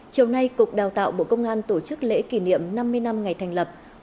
chiều nay cục đào tạo bộ công an tổ chức lễ kỷ niệm năm mươi năm ngày thành lập